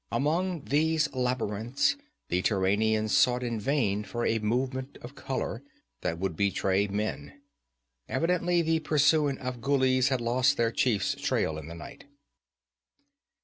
Among these labyrinths the Turanian sought in vain for a movement of color that would betray men. Evidently the pursuing Afghulis had lost their chief's trail in the night.